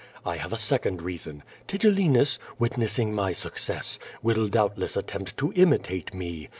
I have a second reason. Tigellinus, witnessing my success, will doubtless attempt to imitate me.